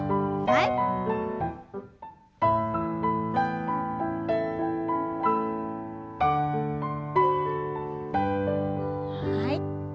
はい。